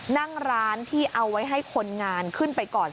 นั่งร้านที่เอาไว้ให้คนงานขึ้นไปก่อน